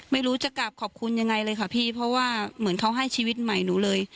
ไม่รู้จะกลับขอบคุณยังไงเลยค่ะพี่เพราะว่าเหมือนเขาให้ชีวิตใหม่หนูเลย